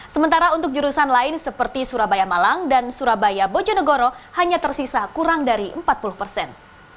sementara untuk jurusan lain seperti surabaya malang dan surabaya bojonegoro hanya tersisa kurang dari empat puluh persen